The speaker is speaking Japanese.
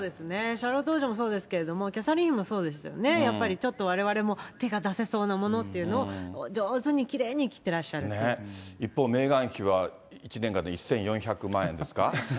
シャーロット王女もそうですけれども、キャサリン妃もそうでしたよね、やっぱり、ちょっとわれわれも手が出せそうなものっていうのを上手にきれい一方、メーガン妃は１年間で１４００万円ですか。